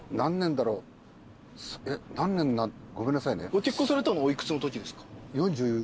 ご結婚されたのお幾つのときですか？